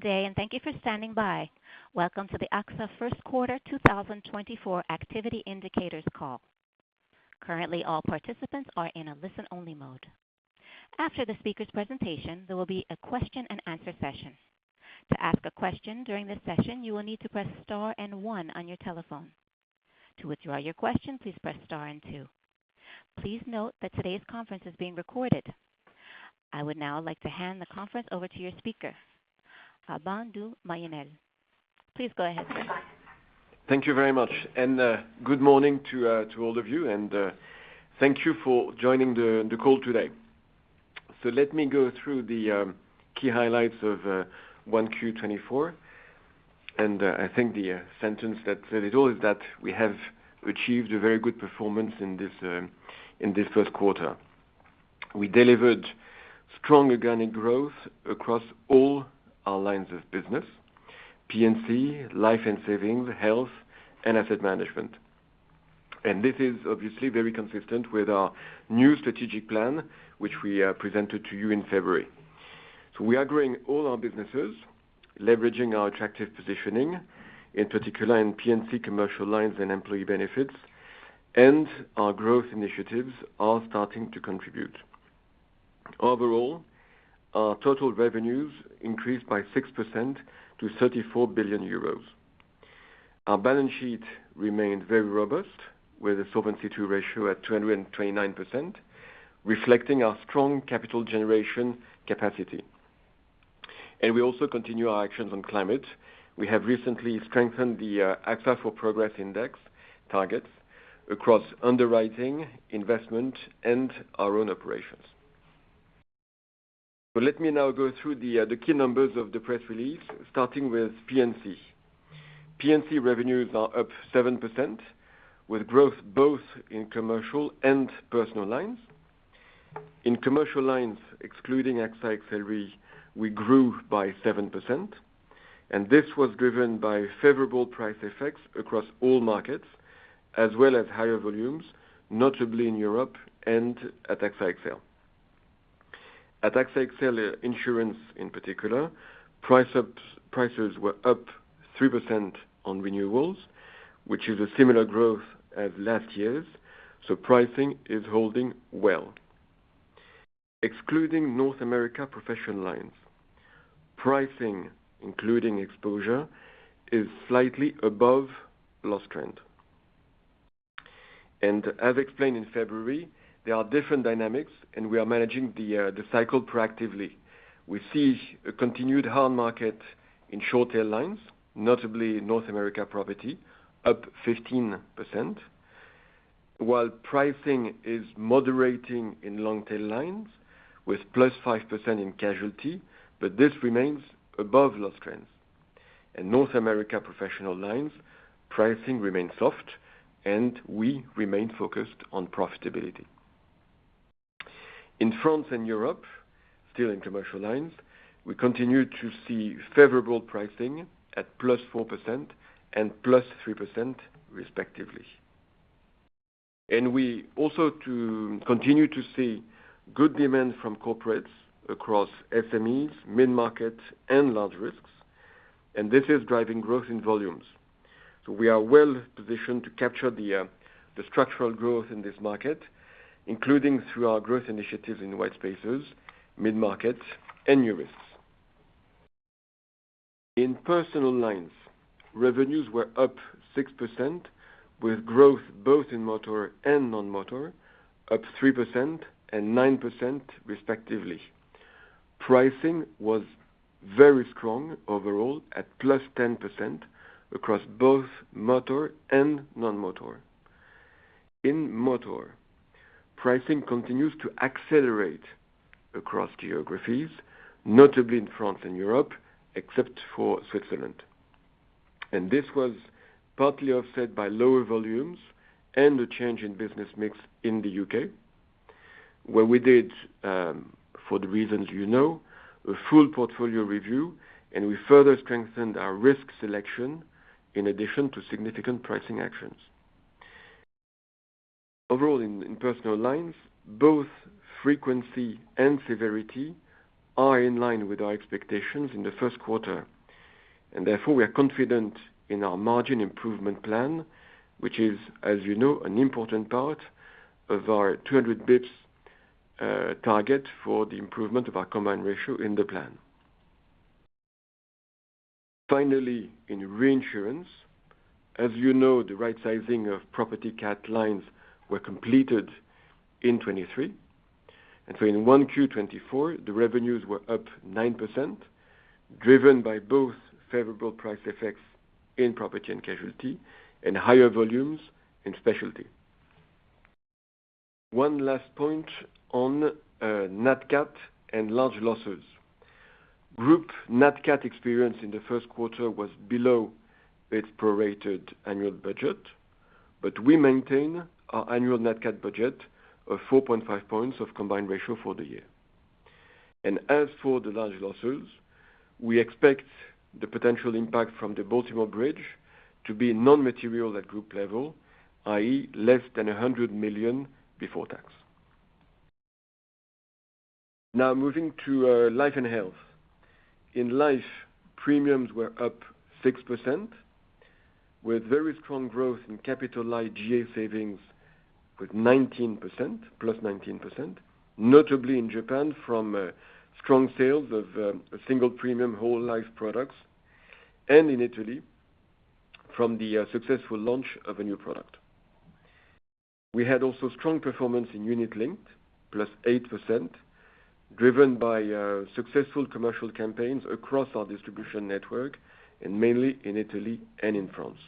Good day, and thank you for standing by. Welcome to the AXA First Quarter 2024 Activity Indicators Call. Currently, all participants are in a listen-only mode. After the speaker's presentation, there will be a question and answer session. To ask a question during this session, you will need to press star and one on your telephone. To withdraw your question, please press star and two. Please note that today's conference is being recorded. I would now like to hand the conference over to your speaker, Alban de Mailly Nesle. Please go ahead, sir. Thank you very much, and good morning to all of you, and thank you for joining the call today. So let me go through the key highlights of Q1 2024, and I think the sentence that said it all is that we have achieved a very good performance in this first quarter. We delivered strong organic growth across all our lines of business, P&C, life and savings, health, and asset management. And this is obviously very consistent with our new strategic plan, which we presented to you in February. So we are growing all our businesses, leveraging our attractive positioning, in particular in P&C commercial lines and employee benefits, and our growth initiatives are starting to contribute. Overall, our total revenues increased by 6% to 34 billion euros. Our balance sheet remained very robust, with a Solvency II ratio at 229%, reflecting our strong capital generation capacity. We also continue our actions on climate. We have recently strengthened the AXA for Progress Index targets across underwriting, investment, and our own operations. Let me now go through the key numbers of the press release, starting with P&C. P&C revenues are up 7%, with growth both in commercial and personal lines. In commercial lines, excluding AXA XL, we grew by 7%, and this was driven by favorable price effects across all markets, as well as higher volumes, notably in Europe and at AXA XL. At AXA XL Insurance in particular, prices were up 3% on renewals, which is a similar growth as last year's, so pricing is holding well. Excluding North America professional lines, pricing, including exposure, is slightly above loss trend. As explained in February, there are different dynamics, and we are managing the cycle proactively. We see a continued hard market in short tail lines, notably North America property, up 15%, while pricing is moderating in long tail lines with +5% in casualty, but this remains above loss trends. In North America, professional lines, pricing remains soft, and we remain focused on profitability. In France and Europe, still in commercial lines, we continue to see favorable pricing at +4% and +3%, respectively. And we also continue to see good demand from corporates across SMEs, mid-market, and large risks, and this is driving growth in volumes. So we are well positioned to capture the structural growth in this market, including through our growth initiatives in white spaces, mid-markets, and new risks. In personal lines, revenues were up 6%, with growth both in motor and non-motor, up 3% and 9%, respectively. Pricing was very strong overall, at +10% across both motor and non-motor. In motor, pricing continues to accelerate across geographies, notably in France and Europe, except for Switzerland. And this was partly offset by lower volumes and a change in business mix in the U.K., where we did, for the reasons you know, a full portfolio review, and we further strengthened our risk selection in addition to significant pricing actions. Overall, in personal lines, both frequency and severity are in line with our expectations in the first quarter, and therefore, we are confident in our margin improvement plan, which is, as you know, an important part of our 200 bps, uh, target for the improvement of our combined ratio in the plan. Finally, in reinsurance, as you know, the right sizing of Property Cat lines were completed in 2023, and so in 1Q 2024, the revenues were up 9%, driven by both favorable price effects in property and casualty and higher volumes and specialty. One last point on, Nat Cat and large losses. Group Nat Cat experience in the first quarter was below its prorated annual budget, but we maintain our annual Nat Cat budget of 4.5 points of combined ratio for the year. And as for the large losses, we expect the potential impact from the Baltimore Bridge to be non-material at group level, i.e., less than 100 million before tax. Now moving to life and health. In life, premiums were up 6% with very strong growth in capital light GA savings with 19%, +19%, notably in Japan from strong sales of a single premium whole life products, and in Italy from the successful launch of a new product. We had also strong performance in unit linked, +8%, driven by successful commercial campaigns across our distribution network and mainly in Italy and in France.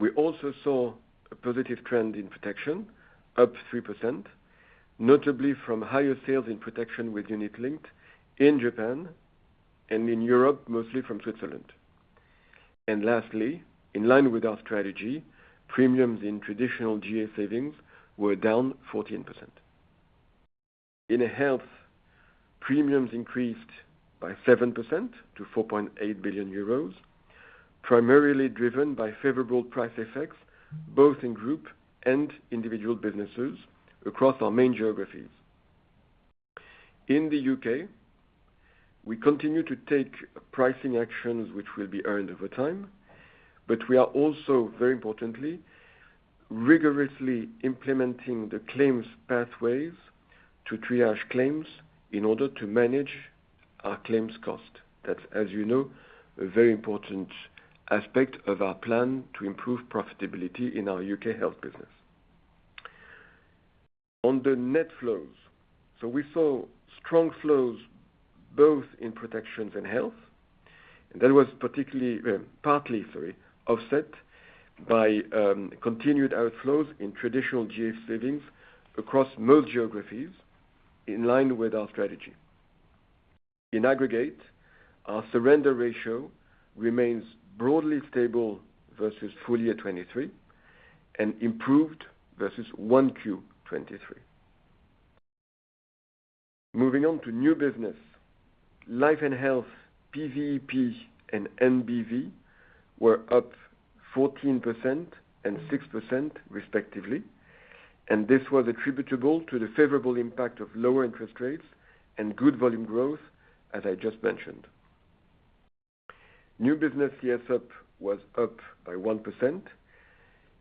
We also saw a positive trend in protection, up 3%, notably from higher sales in protection with unit linked in Japan and in Europe, mostly from Switzerland. And lastly, in line with our strategy, premiums in traditional GA savings were down 14%. In health, premiums increased by 7% to 4.8 billion euros, primarily driven by favorable price effects, both in group and individual businesses across our main geographies. In the U.K., we continue to take pricing actions, which will be earned over time, but we are also, very importantly, rigorously implementing the claims pathways to triage claims in order to manage our claims cost. That's, as you know, a very important aspect of our plan to improve profitability in our U.K. health business. On the net flows, so we saw strong flows both in protections and health. That was particularly partly offset by continued outflows in traditional GA savings across most geographies in line with our strategy. In aggregate, our surrender ratio remains broadly stable versus full year 2023 and improved versus 1Q 2023. Moving on to new business, life and health, PVEP and NBV were up 14% and 6% respectively, and this was attributable to the favorable impact of lower interest rates and good volume growth, as I just mentioned. New business CSM was up by 1%,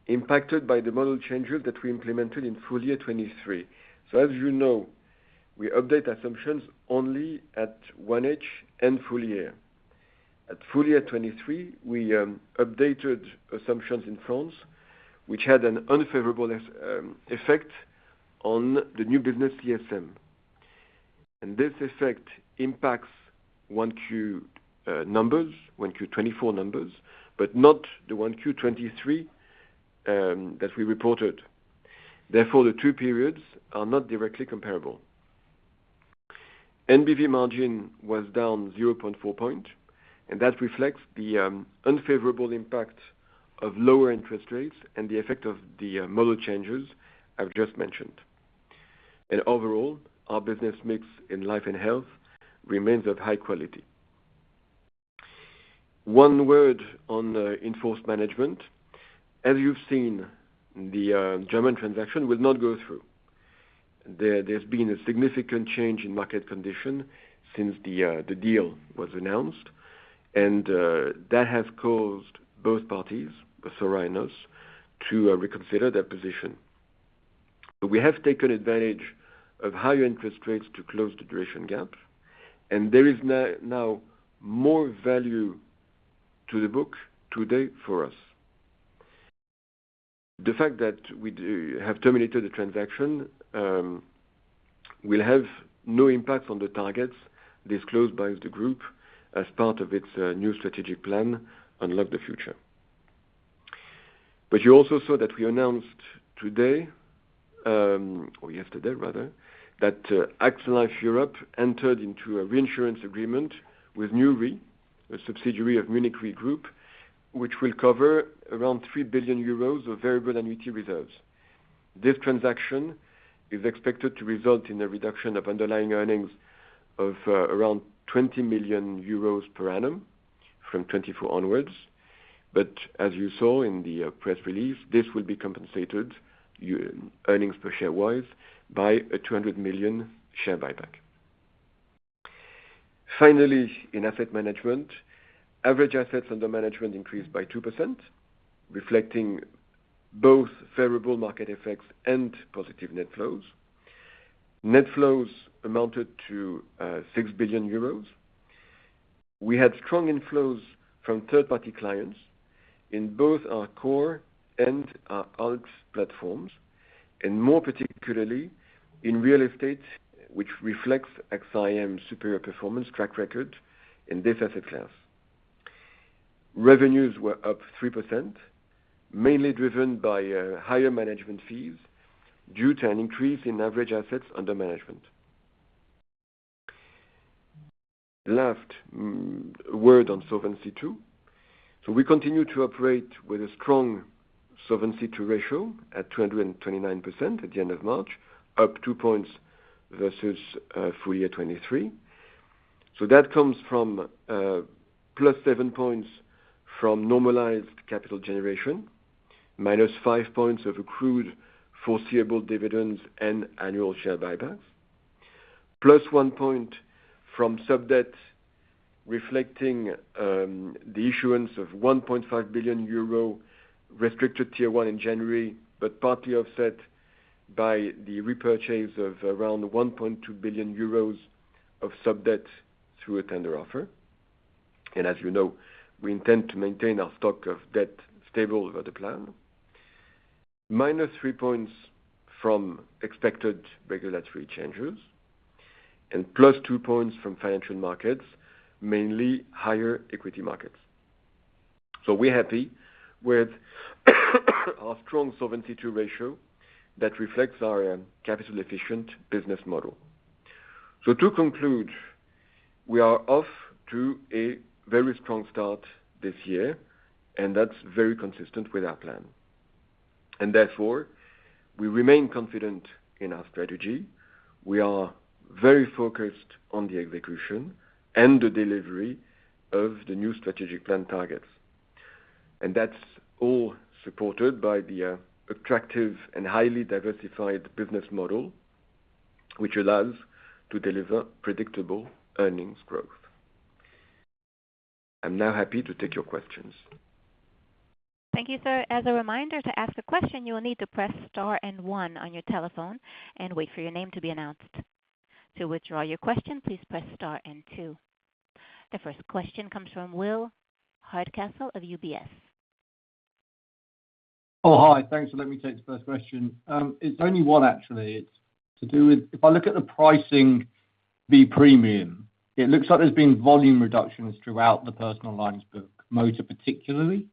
impacted by the model changes that we implemented in full year 2023. As you know, we update assumptions only at 1H and full year. At full year 2023, we updated assumptions in France, which had an unfavorable effect on the new business CSM. This effect impacts 1Q numbers, 1Q 2024 numbers, but not the 1Q 2023 that we reported. Therefore, the two periods are not directly comparable. NBV margin was down 0.4 point, and that reflects the unfavorable impact of lower interest rates and the effect of the model changes I've just mentioned. And overall, our business mix in life and health remains of high quality. One word on the in-force management. As you've seen, the German transaction will not go through. There's been a significant change in market condition since the deal was announced, and that has caused both parties, Athora, to reconsider their position. But we have taken advantage of higher interest rates to close the duration gap, and there is now more value to the book today for us. The fact that we have terminated the transaction will have no impact on the targets disclosed by the group as part of its new strategic plan, Unlock the Future. But you also saw that we announced today, or yesterday rather, that AXA Life Europe entered into a reinsurance agreement with New Re, a subsidiary of Munich Re Group, which will cover around 3 billion euros of variable annuity reserves. This transaction is expected to result in a reduction of underlying earnings of around 20 million euros per annum from 2024 onwards. But as you saw in the press release, this will be compensated underlying earnings per share wise by a 200 million share buyback. Finally, in asset management, average assets under management increased by 2%, reflecting both favorable market effects and positive net flows. Net flows amounted to 6 billion euros. We had strong inflows from third-party clients in both our core and our alt platforms, and more particularly in real estate, which reflects AXA IM's superior performance track record in this asset class. Revenues were up 3%, mainly driven by higher management fees due to an increase in average assets under management. Last word on Solvency II. So we continue to operate with a strong Solvency II ratio at 229% at the end of March, up 2 points versus full year 2023. So that comes from +7 points from normalized capital generation, -5 points of accrued foreseeable dividends and annual share buybacks, +1 point from sub-debt, reflecting the issuance of 1.5 billion euro Restricted Tier 1 in January, but partly offset by the repurchase of around 1.2 billion euros of sub-debt through a tender offer. As you know, we intend to maintain our stock of debt stable over the plan. -3 points from expected regulatory changes, and +2 points from financial markets, mainly higher equity markets. So we're happy with our strong Solvency II ratio that reflects our, capital efficient business model. To conclude, we are off to a very strong start this year, and that's very consistent with our plan. Therefore, we remain confident in our strategy. We are very focused on the execution and the delivery of the new strategic plan targets. That's all supported by the, attractive and highly diversified business model, which allows to deliver predictable earnings growth. I'm now happy to take your questions. Thank you, sir. As a reminder, to ask a question, you will need to press star and one on your telephone and wait for your name to be announced. To withdraw your question, please press star and two. The first question comes from Will Hardcastle of UBS. Oh, hi. Thanks for let me take the first question. It's only one actually. It's to do with, if I look at the pricing, the premium, it looks like there's been volume reductions throughout the personal lines book, motor particularly.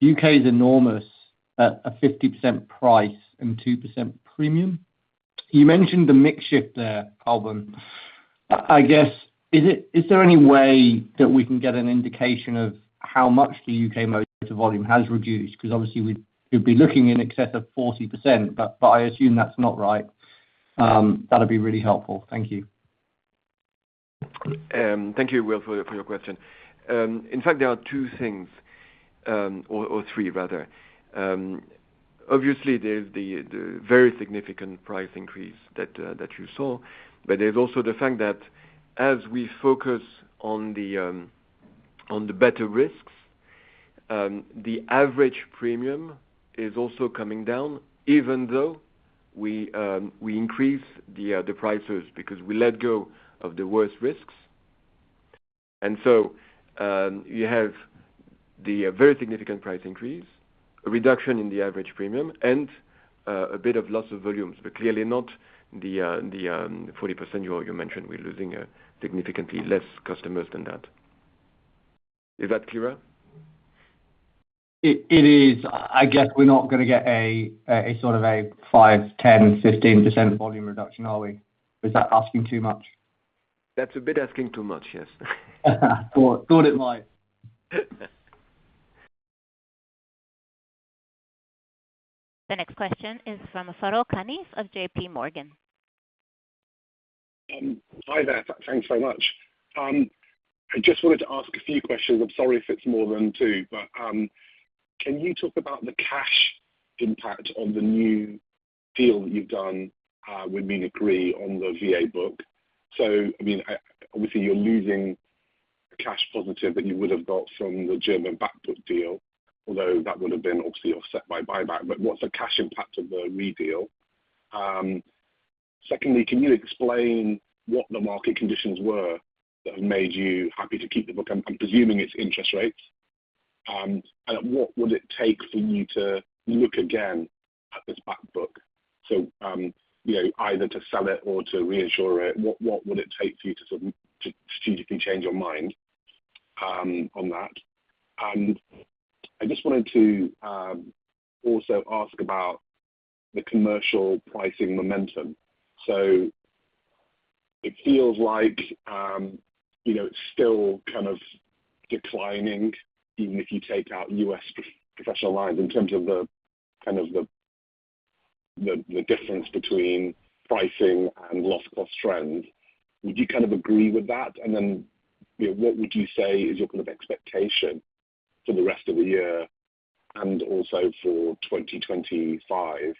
U.K. is enormous at a 50% price and 2% premium. You mentioned the mix shift there, Alban. I, I guess, is it- is there any way that we can get an indication of how much the U.K. motor volume has reduced? Because obviously we'd, we'd be looking in excess of 40%, but, but I assume that's not right. That'd be really helpful. Thank you. Thank you, Will, for your question. In fact, there are two things, or three, rather. Obviously, there's the very significant price increase that you saw, but there's also the fact that as we focus on the better risks, the average premium is also coming down, even though we increase the prices because we let go of the worst risks. And so, you have the very significant price increase, a reduction in the average premium and a bit of loss of volumes, but clearly not the 40% you mentioned. We're losing significantly less customers than that. Is that clearer? It is. I guess we're not going to get a sort of a 5%, 10%, 15% volume reduction, are we? Is that asking too much? That's a bit asking too much, yes. Thought it might. The next question is from Farooq Hanif of J.P. Morgan. Hi there. Thanks so much. I just wanted to ask a few questions. I'm sorry if it's more than two, but, can you talk about the cash impact on the new deal that you've done, with Munich Re on the VA book? So, I mean, obviously you're losing cash positive that you would have got from the German back book deal, although that would have been obviously offset by buyback. But what's the cash impact of the Re deal? Secondly, can you explain what the market conditions were that have made you happy to keep the book? I'm presuming it's interest rates. And what would it take for you to look again at this back book? So, you know, either to sell it or to reinsure it, what would it take for you to sort of strategically change your mind on that? And I just wanted to also ask about the commercial pricing momentum. So it feels like, you know, it's still kind of declining, even if you take out U.S. Professional lines, in terms of the kind of difference between pricing and loss cost trend. Would you kind of agree with that? And then, you know, what would you say is your kind of expectation for the rest of the year and also for 2025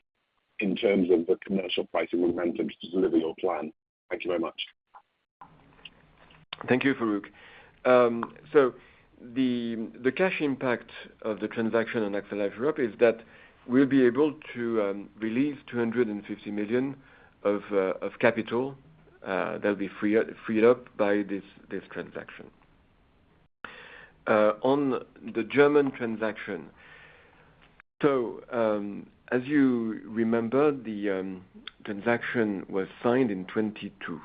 in terms of the commercial pricing momentum to deliver your plan? Thank you very much. Thank you, Farooq. So the cash impact of the transaction on AXA Life Europe is that we'll be able to release 250 million of capital that'll be freed up by this transaction. On the German transaction. So as you remember, the transaction was signed in 2022.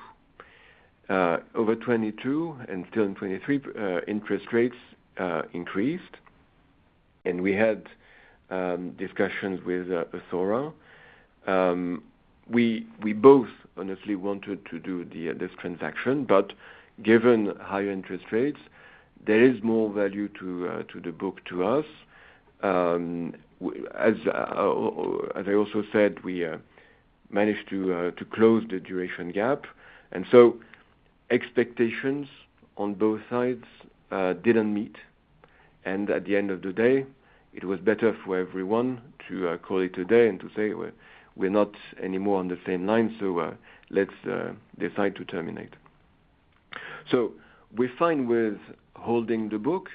Over 2022 and still in 2023, interest rates increased, and we had discussions with Athora. We both honestly wanted to do this transaction, but given higher interest rates, there is more value to the book, to us. As I also said, we managed to close the duration gap. So expectations on both sides didn't meet, and at the end of the day, it was better for everyone to call it a day and to say, well, we're not anymore on the same line, so let's decide to terminate. So we're fine with holding the book,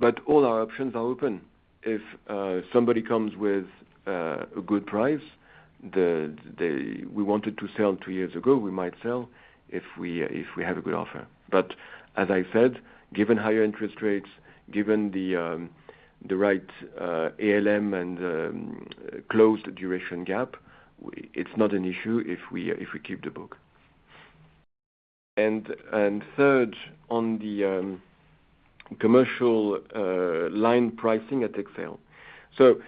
but all our options are open. If somebody comes with a good price, we wanted to sell two years ago, we might sell if we have a good offer. But as I said, given higher interest rates, given the right ALM and closed duration gap, it's not an issue if we keep the book. And third, on the commercial line pricing at AXA XL. So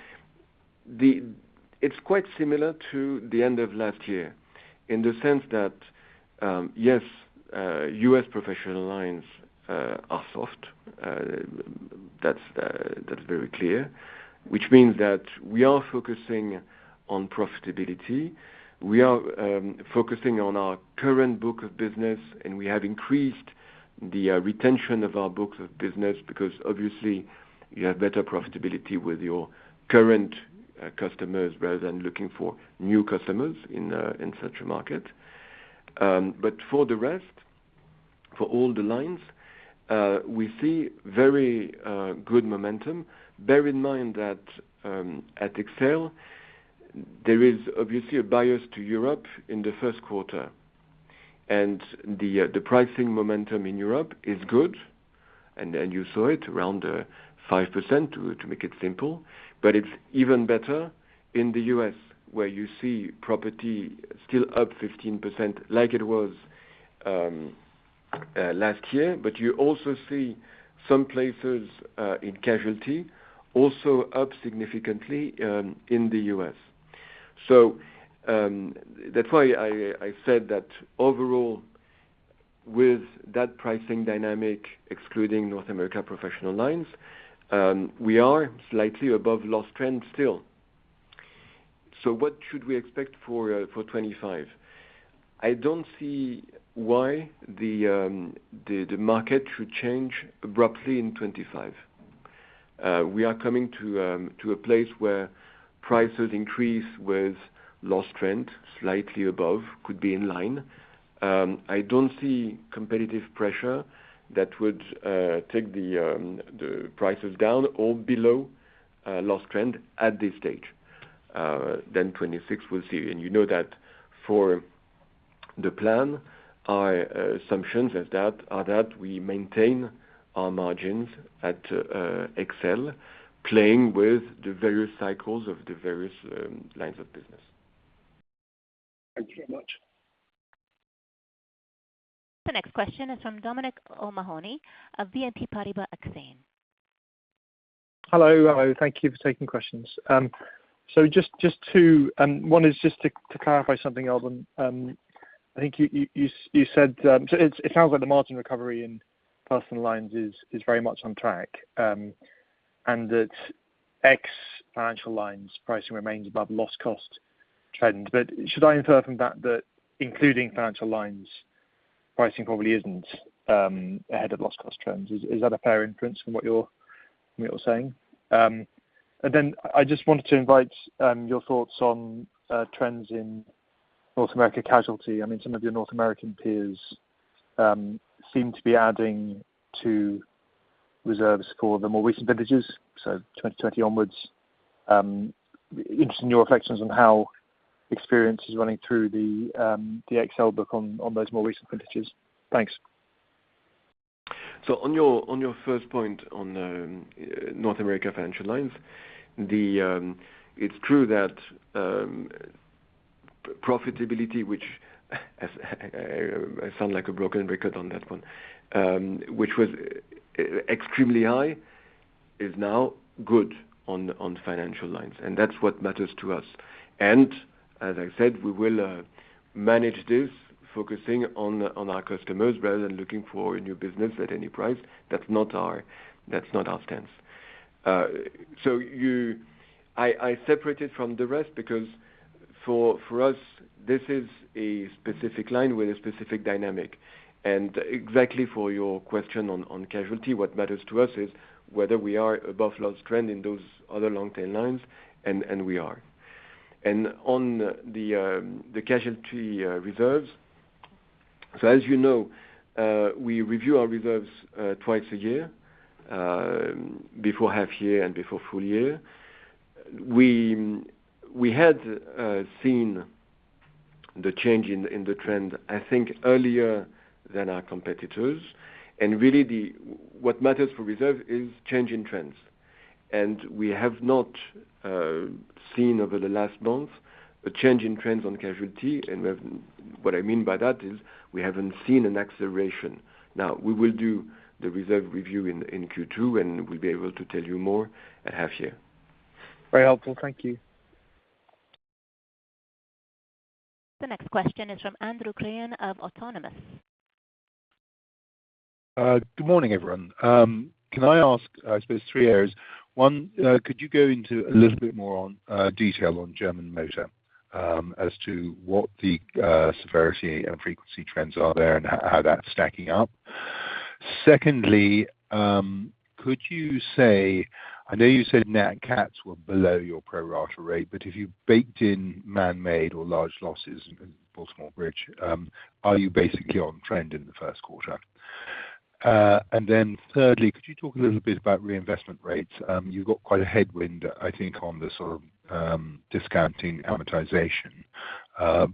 it's quite similar to the end of last year in the sense that, yes, U.S. professional lines are soft. That's very clear, which means that we are focusing on profitability. We are focusing on our current book of business, and we have increased the retention of our books of business because obviously you have better profitability with your current customers, rather than looking for new customers in such a market. But for the rest, for all the lines, we see very good momentum. Bear in mind that, at AXA XL, there is obviously a bias to Europe in the first quarter, and the pricing momentum in Europe is good. And you saw it around 5%, to make it simple. But it's even better in the U.S., where you see property still up 15% like it was last year. But you also see some places in casualty also up significantly in the U.S. So that's why I said that overall, with that pricing dynamic, excluding North America professional lines, we are slightly above loss trend still. So what should we expect for 2025? I don't see why the market should change abruptly in 2025. We are coming to a place where prices increase with loss trend slightly above, could be in line. I don't see competitive pressure that would take the prices down or below loss trend at this stage. Then 2026, we'll see. You know that for the plan, our assumptions is that, are that we maintain our margins at AXA XL, playing with the various cycles of the various lines of business. Thank you very much. The next question is from Dominic O'Mahony of BNP Paribas Exane. Hello, thank you for taking questions. So just to clarify something else. I think you said, so it sounds like the margin recovery in personal lines is very much on track, and that XL financial lines pricing remains above loss cost trend. But should I infer from that, that including financial lines, pricing probably isn't ahead of loss cost trends? Is that a fair inference from what you're saying? And then I just wanted to invite your thoughts on trends in North America casualty. I mean, some of your North American peers seem to be adding to reserves for the more recent vintages, so 2020 onwards. Interested in your reflections on how experience is running through the XL book on those more recent vintages. Thanks. So on your first point on North America financial lines, it's true that profitability, which I sound like a broken record on that one, which was extremely high, is now good on financial lines, and that's what matters to us. And as I said, we will manage this, focusing on our customers rather than looking for a new business at any price. That's not our stance. So I separated it from the rest, because for us, this is a specific line with a specific dynamic. And exactly for your question on casualty, what matters to us is whether we are above loss trend in those other long tail lines, and we are. On the casualty reserves, so as you know, we review our reserves twice a year, before half year and before full year. We had seen the change in the trend, I think, earlier than our competitors. Really, what matters for reserve is changing trends. We have not seen over the last month, a change in trends on casualty. What I mean by that is we haven't seen an acceleration. Now, we will do the reserve review in Q2, and we'll be able to tell you more at half year. Very helpful. Thank you. The next question is from Andrew Crean of Autonomous. Good morning, everyone. Can I ask, I suppose three areas? One, could you go into a little bit more on detail on German Motor, as to what the severity and frequency trends are there, and how that's stacking up? Secondly, could you say, I know you said Nat Cats were below your pro rata rate, but if you baked in manmade or large losses in Baltimore Bridge, are you basically on trend in the first quarter? And then thirdly, could you talk a little bit about reinvestment rates? You've got quite a headwind, I think, on the sort of discounting amortization.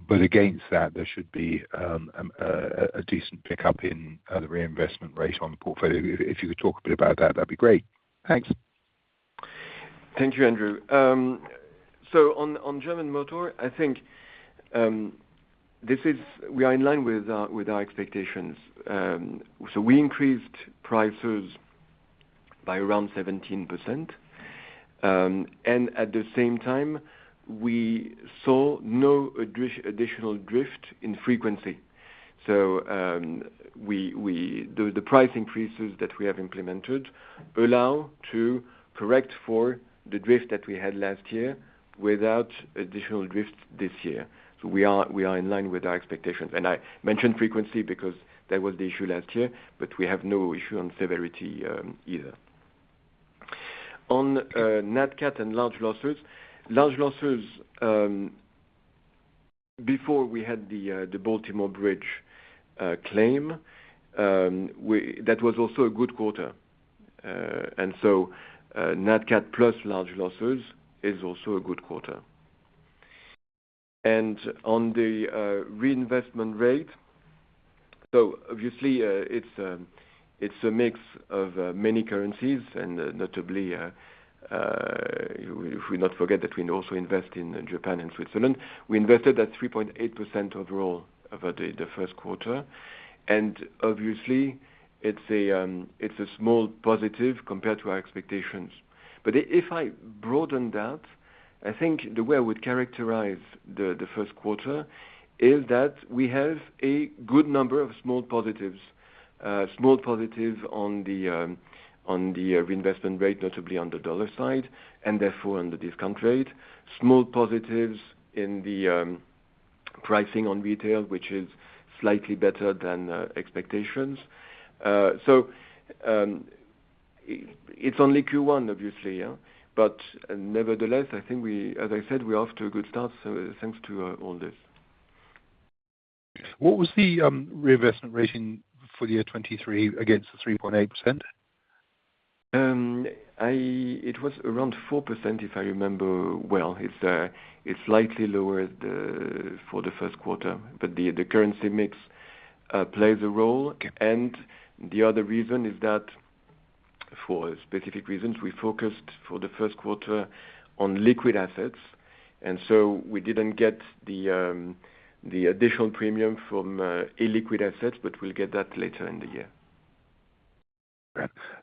But against that, there should be a decent pickup in the reinvestment rate on the portfolio. If you could talk a bit about that, that'd be great. Thanks. Thank you, Andrew. So on German Motor, I think we are in line with our expectations. So we increased prices by around 17%. And at the same time, we saw no additional drift in frequency. So the price increases that we have implemented allow to correct for the drift that we had last year, without additional drift this year. So we are in line with our expectations. And I mentioned frequency because that was the issue last year, but we have no issue on severity either. On Nat Cat and large losses, large losses, before we had the Baltimore Bridge claim, that was also a good quarter. And so Nat Cat plus large losses is also a good quarter. On the reinvestment rate, so obviously, it's a mix of many currencies, and notably, if we not forget, that we also invest in Japan and Switzerland. We invested at 3.8% overall over the first quarter, and obviously, it's a small positive compared to our expectations. But if I broaden that, I think the way I would characterize the first quarter is that we have a good number of small positives. Small positives on the reinvestment rate, notably on the dollar side, and therefore, on the discount rate. Small positives in the pricing on retail, which is slightly better than expectations. So it's only Q1, obviously, yeah? But nevertheless, I think, as I said, we're off to a good start, so thanks to all this. What was the reinvestment rating for the year 2023 against the 3.8%? It was around 4%, if I remember well. It's slightly lower for the first quarter, but the currency mix plays a role. And the other reason is that for specific reasons, we focused for the first quarter on liquid assets, and so we didn't get the additional premium from illiquid assets, but we'll get that later in the year.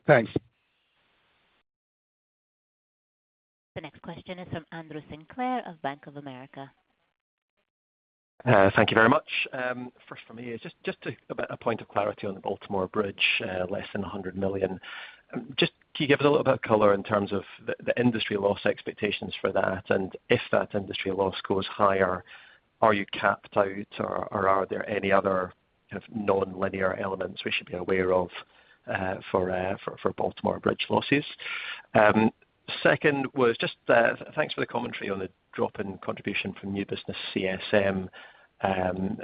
Thanks. The next question is from Andrew Sinclair of Bank of America. Thank you very much. First for me is just about a point of clarity on the Baltimore Bridge, less than 100 million. Can you give us a little bit of color in terms of the industry loss expectations for that, and if that industry loss goes higher, are you capped out, or are there any other kind of nonlinear elements we should be aware of, for Baltimore Bridge losses? Second was just thanks for the commentary on the drop in contribution from new business CSM, and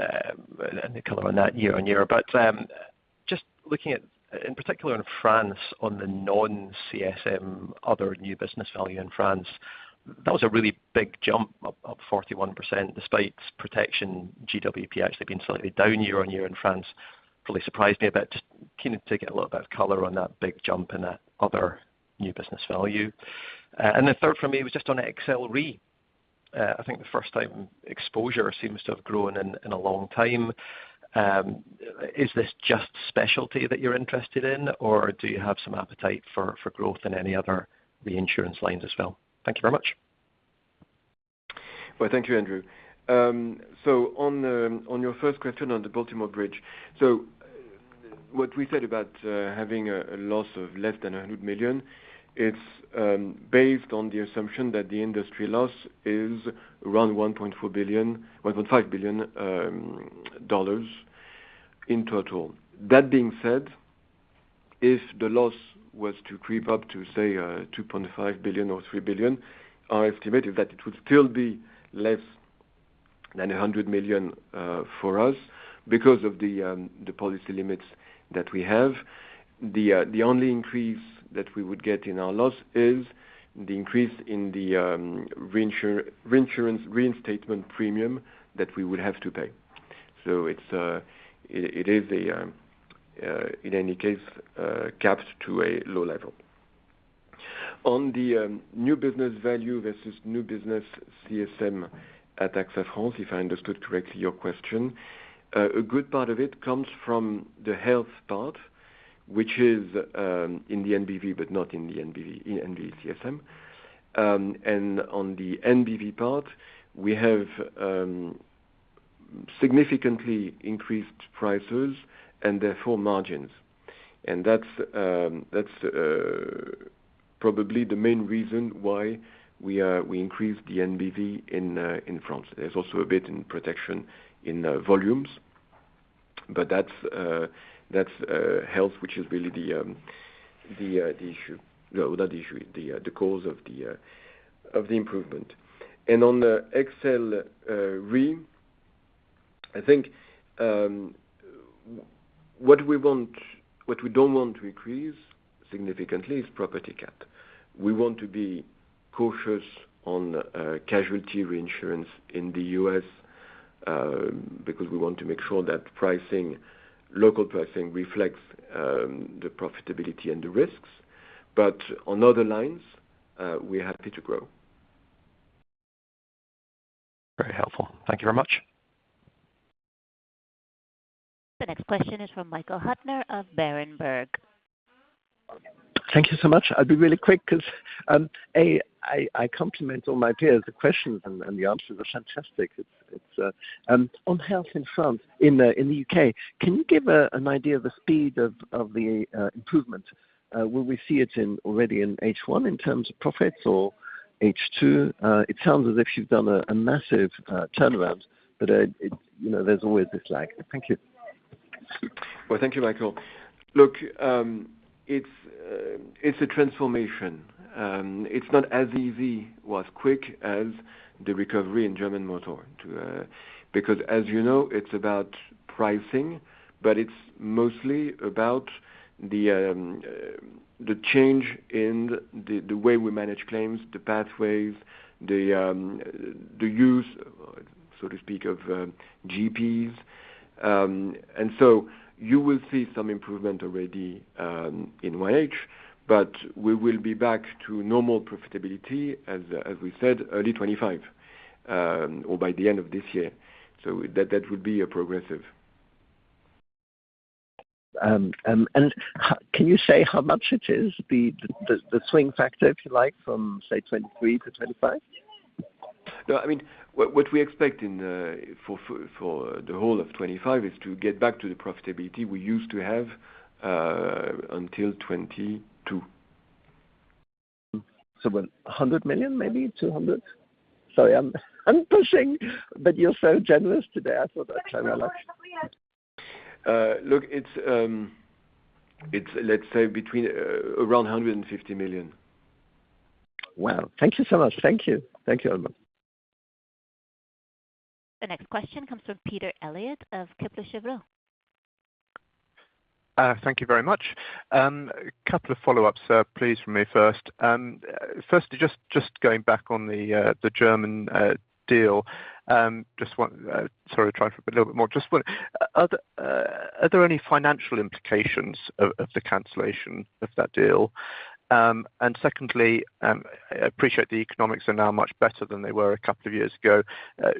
the color on that year-on-year. Just looking at, in particular in France, on the non-CSM, other new business value in France, that was a really big jump, up, up 41%, despite protection GWP actually being slightly down year-on-year in France. Really surprised me, but just keen to take a little bit of color on that big jump in that other new business value. And the third for me was just on XL Re. I think the first time exposure seems to have grown in a long time. Is this just specialty that you're interested in, or do you have some appetite for growth in any other reinsurance lines as well? Thank you very much. Well, thank you, Andrew. So on your first question on the Baltimore Bridge, so what we said about having a loss of less than 100 million, it's based on the assumption that the industry loss is around $1.4 billion-$1.5 billion in total. That being said, if the loss was to creep up to, say, $2.5 billion or $3 billion, our estimate is that it would still be less than 100 million for us because of the policy limits that we have. The only increase that we would get in our loss is the increase in the reinsurance reinstatement premium that we would have to pay. So it is, in any case, capped to a low level. On the new business value versus new business CSM at AXA Health, if I understood correctly your question, a good part of it comes from the health part, which is in the NBV, but not in the NBV CSM. And on the NBV part, we have significantly increased prices and therefore margins. And that's probably the main reason why we increased the NBV in France. There's also a bit in protection in volumes, but that's health, which is really the cause of the improvement. And on the AXA XL Re, I think what we don't want to increase significantly is P&C. We want to be cautious on casualty reinsurance in the U.S., because we want to make sure that pricing, local pricing reflects the profitability and the risks. But on other lines, we're happy to grow. Very helpful. Thank you very much. The next question is from Michael Huttner of Berenberg. Thank you so much. I'll be really quick because I compliment all my peers, the questions and the answers are fantastic. It's on health in France, in the U.K. Can you give an idea of the speed of the improvement? Will we see it already in H1 in terms of profits or H2? It sounds as if you've done a massive turnaround, but you know, there's always this lag. Thank you. Well, thank you, Michael. Look, it's a transformation. It's not as easy or as quick as the recovery in German Motor to, because, as you know, it's about pricing, but it's mostly about the change in the way we manage claims, the pathways, the use, so to speak, of GPs. And so you will see some improvement already in YH, but we will be back to normal profitability, as we said, early 2025, or by the end of this year. So that would be a progressive. And can you say how much it is, the swing factor, if you like, from, say, 2023-2025? No, I mean, what we expect for the whole of 2025 is to get back to the profitability we used to have until 2022. 100 million, maybe 200 million? Sorry, I'm pushing, but you're so generous today. I thought I'd try my luck. Look, it's, let's say between around 150 million. Wow. Thank you so much. Thank you. Thank you, Alban. The next question comes from Peter Eliot of Kepler Cheuvreux. Thank you very much. A couple of follow-ups, please, from me first. Firstly, just going back on the German deal, just one, sorry, trying to put a little bit more... Just one, are there any financial implications of the cancellation of that deal? And secondly, I appreciate the economics are now much better than they were a couple of years ago.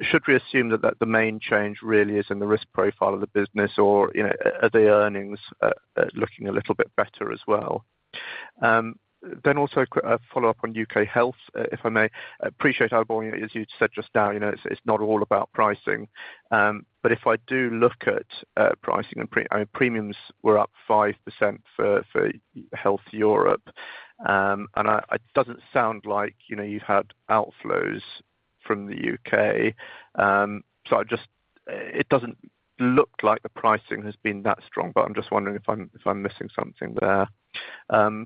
Should we assume that the main change really is in the risk profile of the business, or, you know, are the earnings looking a little bit better as well? Then also a follow-up on U.K. health, if I may. I appreciate, Alban, as you said just now, you know, it's not all about pricing. But if I do look at, pricing and, I mean, premiums were up 5% for, for Health Europe. And I, it doesn't sound like, you know, you had outflows from the U.K. So I just, it doesn't look like the pricing has been that strong, but I'm just wondering if I'm, if I'm missing something there. And,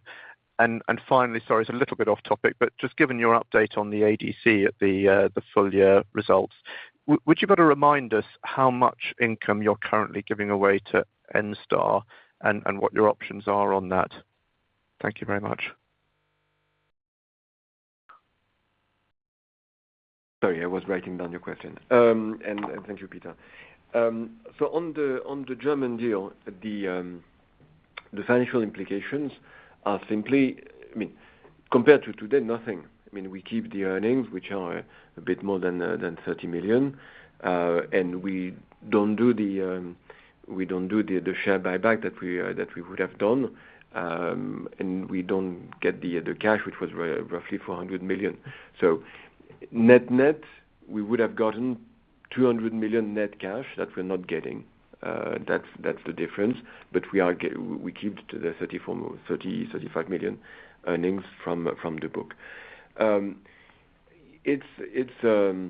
and finally, sorry, it's a little bit off topic, but just given your update on the ADC at the, the full-year results, would you be able to remind us how much income you're currently giving away to Enstar and, and what your options are on that? Thank you very much. Sorry, I was writing down your question. And thank you, Peter. So on the German deal, the financial implications are simply, I mean, compared to today, nothing. I mean, we keep the earnings, which are a bit more than 30 million, and we don't do the share buyback that we would have done, and we don't get the cash, which was roughly 400 million. So net, we would have gotten 200 million net cash that we're not getting. That's the difference. But we keep the 34 million-- 30 million, 35 million earnings from the book. It's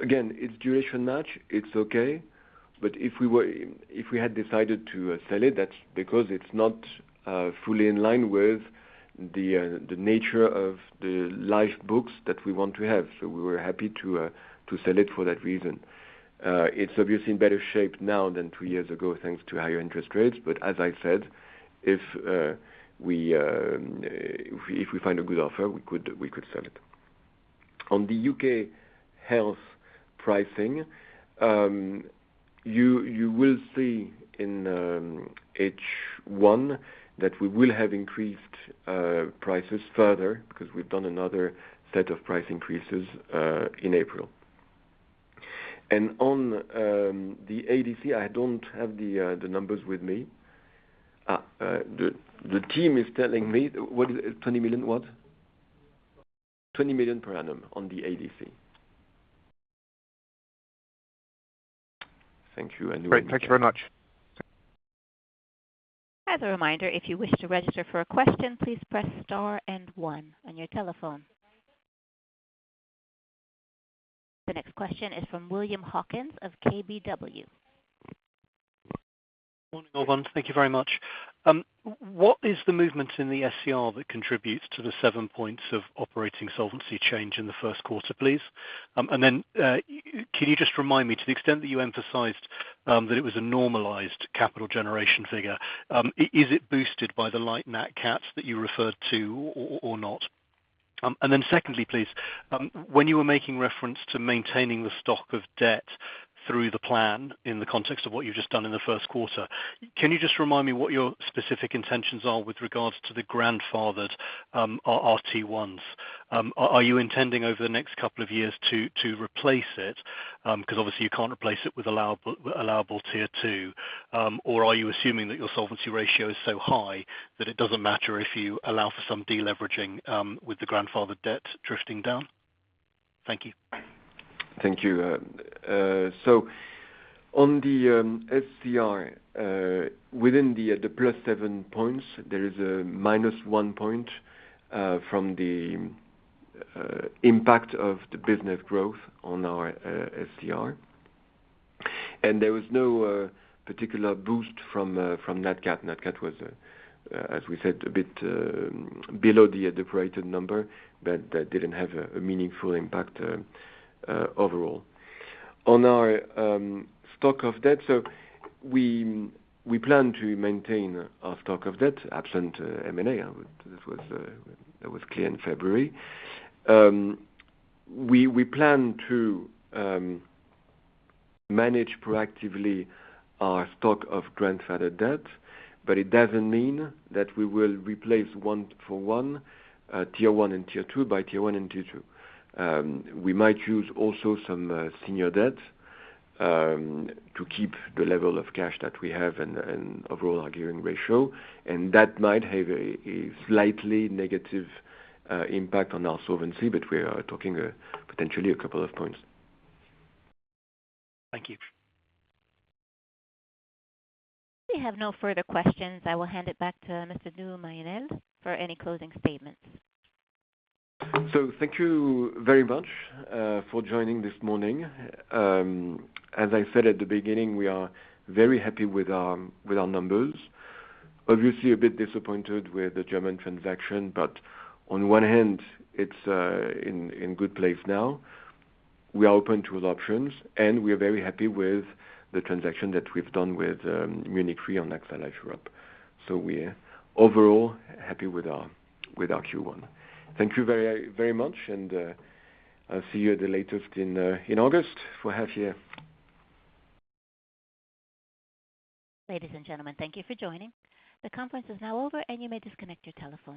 again, it's duration match, it's okay. But if we were, if we had decided to sell it, that's because it's not fully in line with the nature of the life books that we want to have. So we were happy to sell it for that reason. It's obviously in better shape now than two years ago, thanks to higher interest rates. But as I said, if we find a good offer, we could sell it. On the U.K. health pricing, you will see in H1 that we will have increased prices further because we've done another set of price increases in April. On the ADC, I don't have the numbers with me. Ah, the team is telling me, what is it? 20 million what? 20 million per annum on the ADC. Thank you, and- Great, thank you very much. As a reminder, if you wish to register for a question, please press star and one on your telephone. The next question is from William Hawkins of KBW. Morning, everyone. Thank you very much. What is the movement in the SCR that contributes to the seven points of operating solvency change in the first quarter, please? And then, can you just remind me, to the extent that you emphasized, that it was a normalized capital generation figure, is it boosted by the light Nat Cats that you referred to or not? And then secondly, please, when you were making reference to maintaining the stock of debt through the plan in the context of what you've just done in the first quarter, can you just remind me what your specific intentions are with regards to the grandfathered RT1s? Are you intending over the next couple of years to replace it? Because obviously you can't replace it with allowable Tier 2. Or are you assuming that your solvency ratio is so high that it doesn't matter if you allow for some deleveraging, with the grandfathered debt drifting down? Thank you. Thank you. So on the SCR, within the +7 points, there is a -1 point from the impact of the business growth on our SCR. And there was no particular boost from Nat Cat. Nat Cat was, as we said, a bit below the appropriate number, but that didn't have a meaningful impact overall. On our stock of debt, so we plan to maintain our stock of debt absent M&A. I would- that was that was clear in February. We plan to manage proactively our stock of grandfathered debt, but it doesn't mean that we will replace one for one Tier 1 and Tier 2 by Tier 1 and Tier 2. We might use also some senior debt to keep the level of cash that we have and overall our gearing ratio, and that might have a slightly negative impact on our solvency, but we are talking potentially a couple of points. Thank you. We have no further questions. I will hand it back to Mr. Alban de Mailly Nesle for any closing statements. So thank you very much for joining this morning. As I said at the beginning, we are very happy with our numbers. Obviously, a bit disappointed with the German transaction, but on one hand, it's in good place now. We are open to other options, and we are very happy with the transaction that we've done with Munich Re on AXA Life Europe. So we're overall happy with our Q1. Thank you very, very much, and I'll see you at the latest in August for half year. Ladies and gentlemen, thank you for joining. The conference is now over, and you may disconnect your telephones.